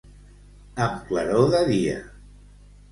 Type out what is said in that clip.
Amb claror de dia.